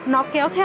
nó kéo thêm